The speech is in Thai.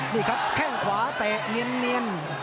นี่ครับแข้งขวาเตะเนียน